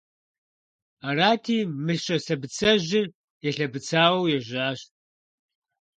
Арати, Мыщэ лъэбыцэжьыр елъэбыцыуэу ежьащ.